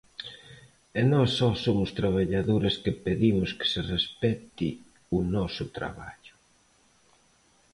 E nós só somos traballadores que pedimos que se respecte o noso traballo.